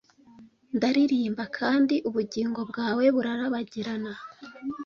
ndaririmba kandi ubugingo bwawe burabagirana